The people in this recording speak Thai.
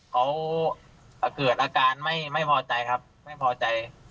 เขาเกิดอาการไม่พอใจครับไม่พอใจ